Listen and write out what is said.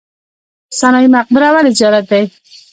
سنايي مقبره ولې زیارت دی؟